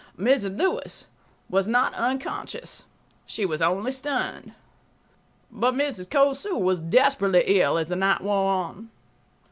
Mrs. Lewis was not unconscious; she was only stunned. But Mrs. Cosu was desperately ill as the night wore on.